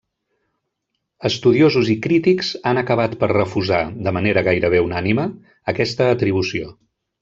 Estudiosos i crítics han acabat per refusar, de manera gairebé unànime, aquesta atribució.